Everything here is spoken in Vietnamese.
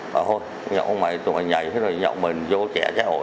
bảo thôi nhậu không mày tụi mày nhảy hết rồi nhậu mình vô trẻ xã hội